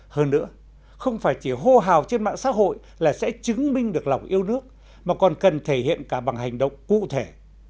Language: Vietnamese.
hơn nữa không phải chỉ hô hào trên mạng xã hội là sẽ chứng minh được lòng yêu nước mà còn cần thể hiện cả bằng hành động cụ thể